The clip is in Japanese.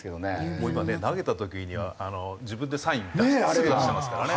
もう今ね投げた時には自分でサイン出してすぐ出してますからね。